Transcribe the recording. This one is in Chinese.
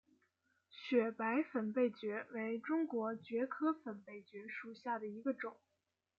雪白粉背蕨为中国蕨科粉背蕨属下的一个种。